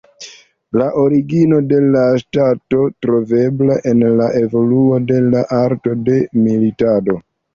La origino de la ŝtato troveblas en la evoluo de la arto de militado.